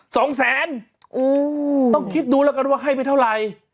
สองแสนน้องคิดดูละกันว่าให้ไปเท่าไร